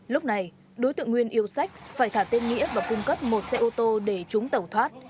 lúc này đối tượng nguyên yêu sách phải thả tên nghĩa và cung cấp một xe ô tô để chúng tẩu thoát